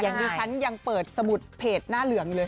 ที่ฉันยังเปิดสมุดเผดหน้าเหลืองเลย